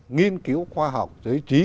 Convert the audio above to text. nghiên cứu khoa học giới chí